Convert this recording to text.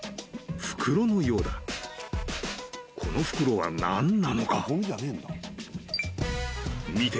［この袋は何なのか？］